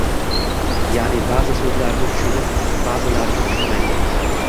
ya’ni ba’zi so‘zlarni tushunib, ba’zilarini tushunmaydi.